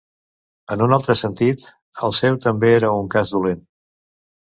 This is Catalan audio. En un altre sentit, el seu també era un cas dolent.